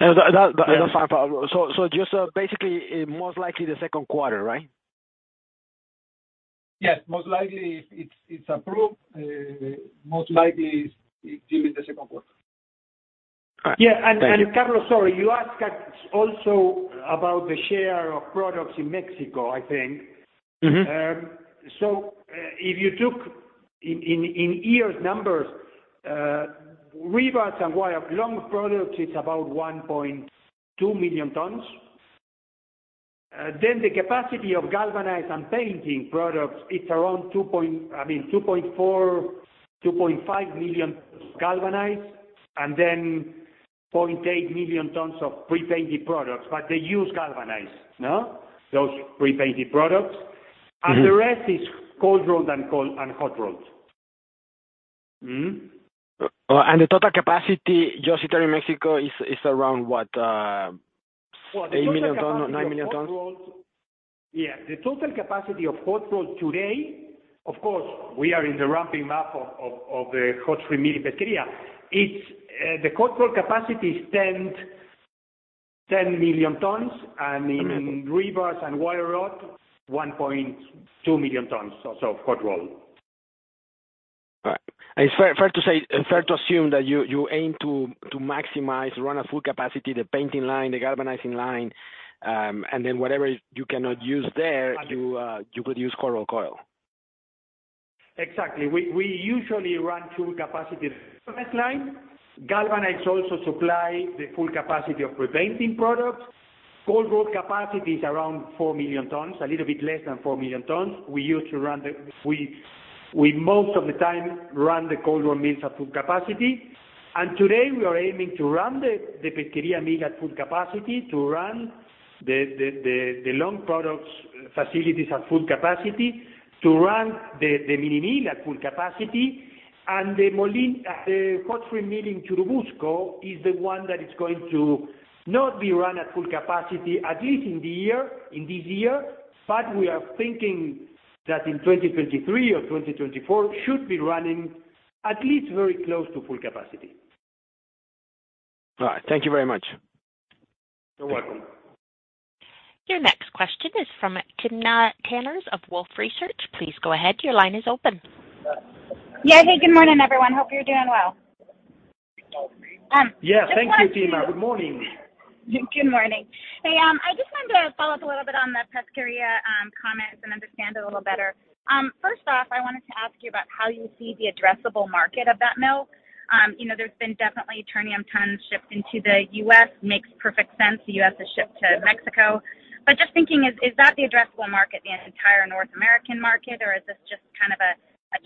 No, that was fine, Pablo. Just basically, most likely the second quarter, right? Yes. Most likely if it's approved, most likely it will be the second quarter. All right. Thank you. Carlos, sorry. You asked also about the share of products in Mexico, I think. Mm-hmm. If you took rebars and wire rod of long products, it's about 1.2 million tons. The capacity of galvanized and painted products, it's around, I mean, 2.4-2.5 million galvanized, and then 0.8 million tons of pre-painted products. They use galvanized, no? Those pre-painted products. Mm-hmm. The rest is cold rolled and coated, and hot rolled. The total capacity just in Ternium Mexico is around what? 8 million ton- Well, the total capacity of hot rolled. 9 million tons? The total capacity of hot-rolled today, of course, we are in the ramping up of the hot rolling mill Pesquería. It's the cold roll capacity is 10 million tons. In- Amazing. rebars and wire rod, 1.2 million tons or so of hot-rolled. All right. It's fair to assume that you aim to run at full capacity the painting line, the galvanizing line, and then whatever you cannot use there. At the- You produce cold-rolled coil. Exactly. We usually run full capacity line. Galvanized also supply the full capacity of pre-painting products. Cold-rolling capacity is around 4 million tons, a little bit less than 4 million tons. We usually run the cold-rolling mills at full capacity most of the time. Today we are aiming to run the long products facilities at full capacity, to run the mini mill at full capacity. The hot rolling mill in Churubusco is the one that is going to not be run at full capacity, at least in this year. We are thinking that in 2023 or 2024 should be running at least very close to full capacity. All right. Thank you very much. You're welcome. Your next question is from Timna Tanners of Wolfe Research. Please go ahead. Your line is open. Yeah. Hey, good morning, everyone. Hope you're doing well. Yeah, thank you, Timna. Good morning. Good morning. Hey, I just wanted to follow up a little bit on the Pesquería comments and understand a little better. First off, I wanted to ask you about how you see the addressable market of that mill. You know, there's been definitely Ternium tons shipped into the U.S., makes perfect sense. The U.S. has shipped to Mexico. Just thinking, is that the addressable market, the entire North American market, or is this just kind of a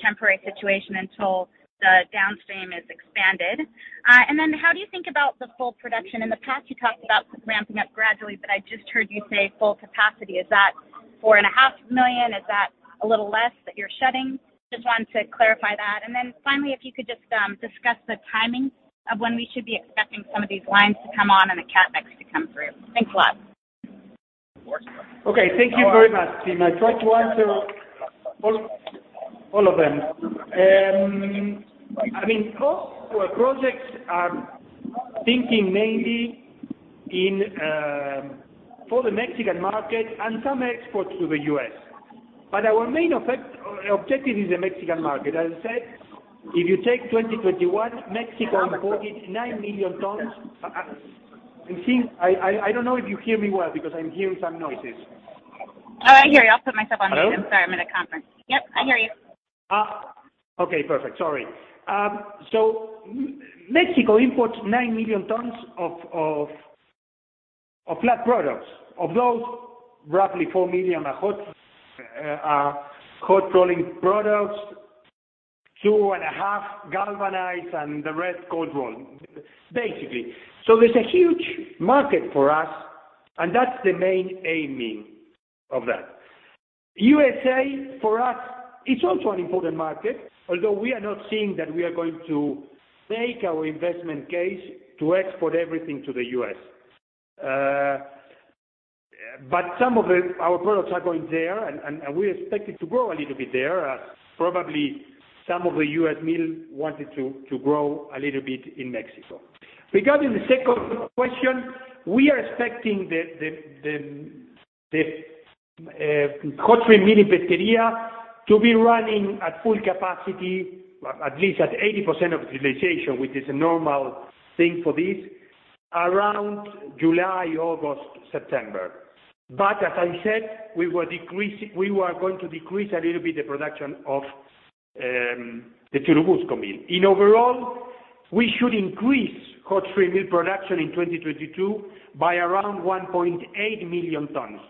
temporary situation until the downstream is expanded? And then how do you think about the full production? In the past, you talked about ramping up gradually, but I just heard you say full capacity. Is that 4.5 million? Is that a little less that you're shedding? Just want to clarify that. Finally, if you could just discuss the timing of when we should be expecting some of these lines to come on and the CapEx Mex to come through. Thanks a lot. Okay. Thank you very much, Timna. I'll try to answer all of them. I mean, those were projects I'm thinking mainly in for the Mexican market and some exports to the U.S. Our main objective is the Mexican market. As I said, if you take 2021, Mexico imported 9 million tons. And Tim, I don't know if you hear me well because I'm hearing some noises. Oh, I hear you. I'll put myself on mute. Hello? I'm sorry. I'm at a conference. Yep, I hear you. Mexico imports 9 million tons of flat products. Of those, roughly 4 million are hot rolling products, 2.5 galvanized and the rest cold rolled, basically. There's a huge market for us, and that's the main aiming of that. U.S.A., for us, it's also an important market, although we are not seeing that we are going to make our investment case to export everything to the U.S. Some of our products are going there and we expect it to grow a little bit there as probably some of the U.S. mills want to grow a little bit in Mexico. Regarding the second question, we are expecting the hot rolling mill in Pesquería to be running at full capacity at least at 80% of utilization, which is a normal thing for this. Around July, August, September. We were going to decrease a little bit the production of the Churubusco mill. Overall, we should increase hot rolling mill production in 2022 by around 1.8 million tons.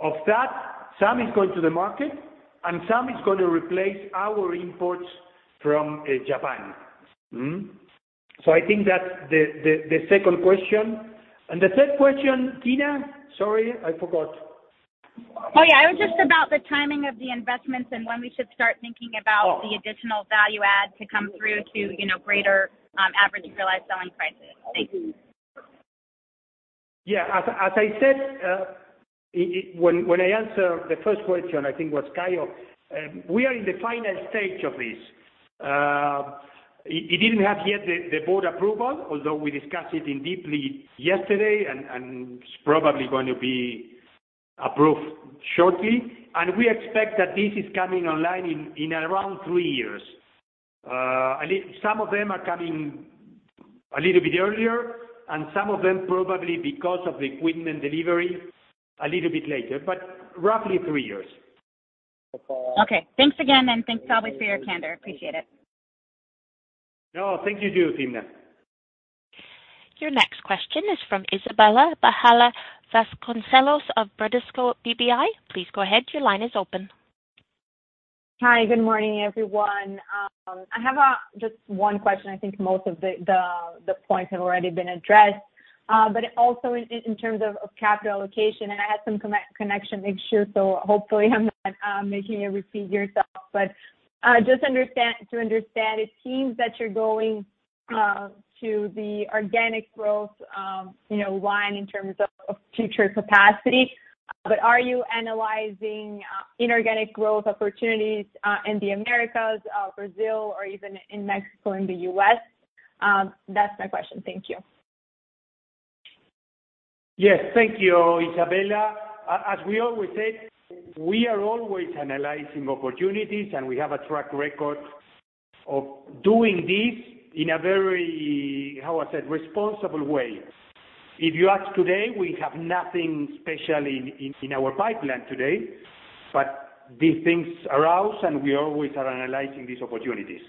Of that, some is going to the market and some is going to replace our imports from Japan. I think that's the second question. The third question, Timna, sorry, I forgot. Oh, yeah. It was just about the timing of the investments and when we should start thinking about. Oh. the additional value add to come through to, you know, greater, average realized selling prices. Thank you. Yeah. As I said, when I answer the first question, I think it was Caio. We are in the final stage of this. It didn't have yet the Board approval, although we discussed it in depth yesterday and it's probably going to be approved shortly. We expect that this is coming online in around three years. Some of them are coming a little bit earlier, and some of them probably because of the equipment delivery a little bit later, but roughly three years. Okay. Thanks again, and thanks always for your candor. Appreciate it. No, thank you. You too, Timna. Your next question is from Isabella Vasconcelos of Bradesco BBI. Please go ahead. Your line is open. Hi. Good morning, everyone. I have just one question. I think most of the points have already been addressed. Also in terms of capital allocation, and I had some connection issue, so hopefully I'm not making you repeat yourself. To understand, it seems that you're going to the organic growth, you know, line in terms of future capacity. Are you analyzing inorganic growth opportunities in the Americas, Brazil, or even in Mexico, in the US? That's my question. Thank you. Yes. Thank you, Isabella. As we always said, we are always analyzing opportunities, and we have a track record of doing this in a very, how I said, responsible way. If you ask today, we have nothing special in our pipeline today, but these things arise, and we always are analyzing these opportunities.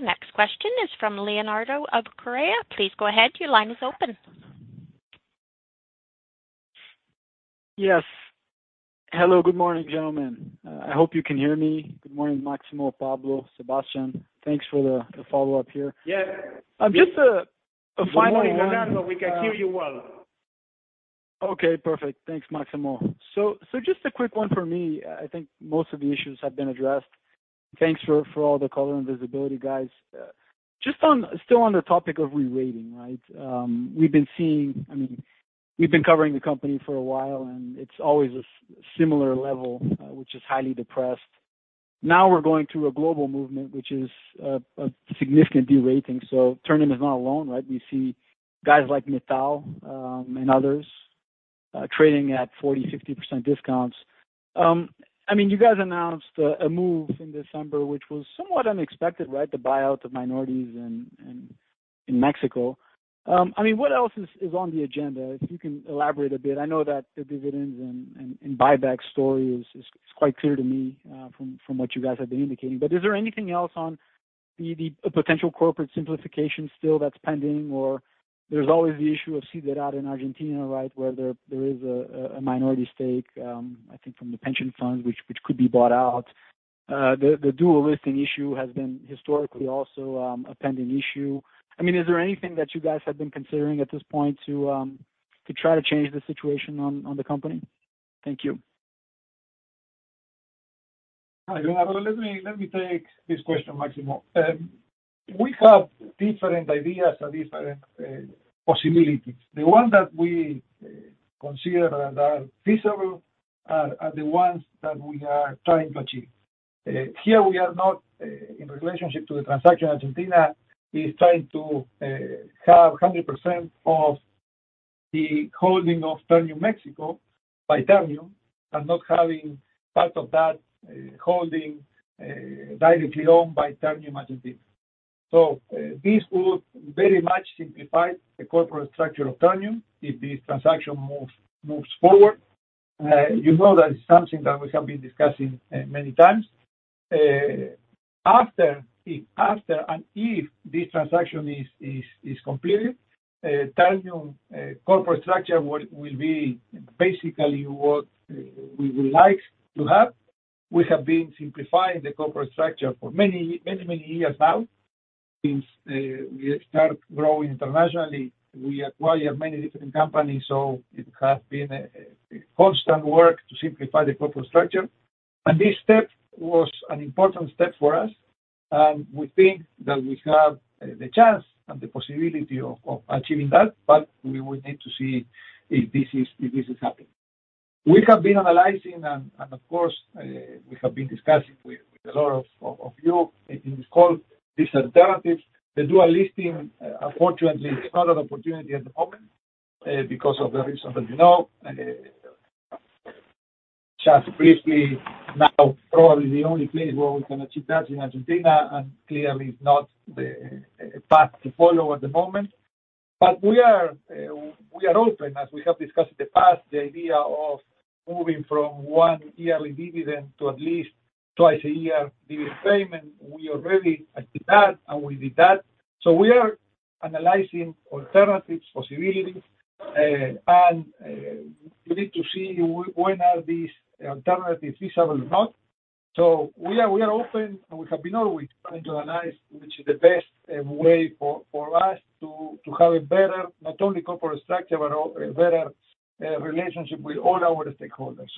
Your next question is from Leonardo Correa. Please go ahead. Your line is open. Yes. Hello. Good morning, gentlemen. I hope you can hear me. Good morning, Máximo, Pablo, Sebastian. Thanks for the follow-up here. Yeah. Just a final one. Good morning, Leonardo. We can hear you well. Okay, perfect. Thanks, Máximo. Just a quick one for me. I think most of the issues have been addressed. Thanks for all the color and visibility, guys. Just on, still on the topic of rerating, right? We've been seeing. I mean, we've been covering the company for a while, and it's always a similar level, which is highly depressed. Now we're going through a global movement, which is a significant derating. Ternium is not alone, right? We see guys like ArcelorMittal and others trading at 40%-50% discounts. I mean, you guys announced a move in December, which was somewhat unexpected, right? The buyout of minorities in Mexico. I mean, what else is on the agenda? If you can elaborate a bit. I know that the dividends and buyback story is quite clear to me from what you guys have been indicating. Is there anything else on the potential corporate simplification still that's pending? Or there's always the issue of Siderar in Argentina, right? Where there is a minority stake I think from the pension fund, which could be bought out. The dual listing issue has been historically also a pending issue. I mean, is there anything that you guys have been considering at this point to try to change the situation on the company? Thank you. Hi, Leonardo. Let me take this question, Máximo. We have different ideas and different possibilities. The one that we consider that are feasible are the ones that we are trying to achieve. In relation to the transaction Argentina is trying to have 100% of the holding of Ternium Mexico by Ternium and not having part of that holding directly owned by Ternium Argentina. This would very much simplify the corporate structure of Ternium if this transaction moves forward. You know that it's something that we have been discussing many times. After and if this transaction is completed, Ternium corporate structure will be basically what we would like to have. We have been simplifying the corporate structure for many years now. Since we start growing internationally, we acquire many different companies, so it has been a constant work to simplify the corporate structure. This step was an important step for us, and we think that we have the chance and the possibility of achieving that, but we would need to see if this is happening. We have been analyzing, and of course we have been discussing with a lot of you in this call, these alternatives. The dual listing, unfortunately, is not an opportunity at the moment. Because of the reason that you know, just briefly now probably the only place where we can achieve that in Argentina, and clearly is not the path to follow at the moment. We are open, as we have discussed in the past, the idea of moving from one yearly dividend to at least twice a year dividend payment. We already did that. We are analyzing alternatives, possibilities, and we need to see when these alternatives are feasible or not. We are open, and we have been always trying to analyze which is the best way for us to have a better not only corporate structure, but a better relationship with all our stakeholders.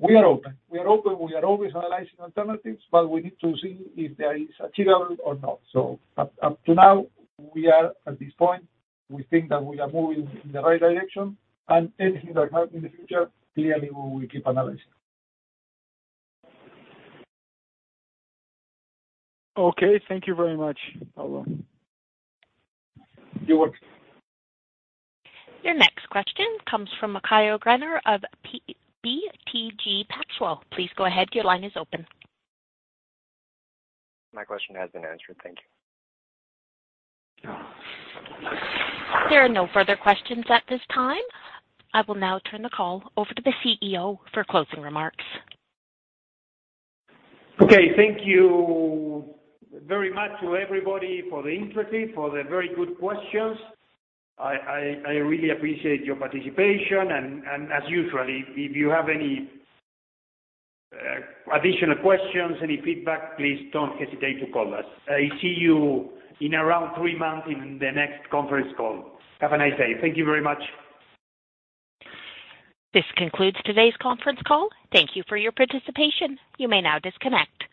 We are open. We are always analyzing alternatives, but we need to see if that is achievable or not. Up to now, we are at this point, we think that we are moving in the right direction, and anything that happens in the future, clearly we will keep analyzing. Okay. Thank you very much, Pablo. You're welcome. Your next question comes from Caio Greiner of BTG Pactual. Please go ahead. Your line is open. My question has been answered. Thank you. There are no further questions at this time. I will now turn the call over to the CEO for closing remarks. Okay. Thank you very much to everybody for the interest, for the very good questions. I really appreciate your participation. As usual, if you have any additional questions, any feedback, please don't hesitate to call us. I see you in around three months in the next conference call. Have a nice day. Thank you very much. This concludes today's conference call. Thank you for your participation. You may now disconnect.